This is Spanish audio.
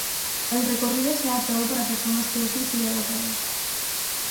El recorrido está adaptado para personas que usen silla de ruedas.